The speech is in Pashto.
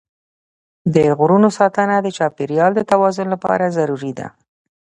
د غرونو ساتنه د چاپېریال د توازن لپاره ضروري ده.